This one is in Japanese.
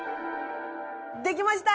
できました！